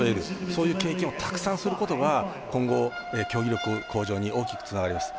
そういう経験をたくさんすることが今後、競技力向上に大きくつながります。